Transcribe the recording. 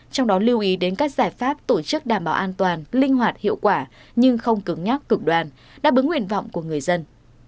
trong đó lưu ý đến các giải pháp tổ chức đảm bảo an toàn linh hoạt hiệu quả nhưng không cứng nhắc cực đoàn đáp ứng nguyện vọng của người dân